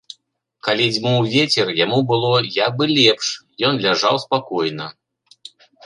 Калі дзьмуў вецер, яму было як бы лепш, ён ляжаў спакойна.